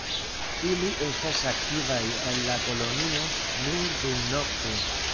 Ili estas aktivaj en la kolonio nur dumnokte.